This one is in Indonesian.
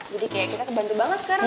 jadi kayak kita kebantu banget sekarang